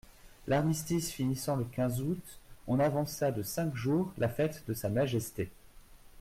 L'armistice finissant le quinze août, on avança de cinq jours la fête de Sa Majesté.